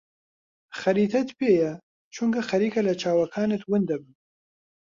خەریتەت پێیە؟ چونکە خەریکە لە چاوەکانت ون دەبم.